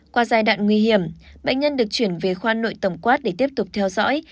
qua giai đoạn nguy hiểm bệnh nhân được chuyển về khoa nội tổng quát để tiếp tục theo dõi